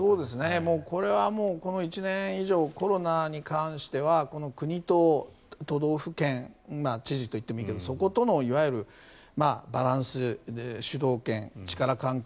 これはもう、この１年以上コロナに関してはこの国と都道府県知事と言ってもいいけどそことのいわゆるバランス主導権、力関係。